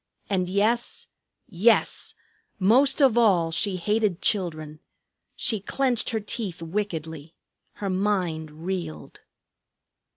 And yes, yes! Most of all she hated children. She clenched her teeth wickedly; her mind reeled.